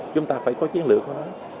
chúng ta phải có chiến lược đó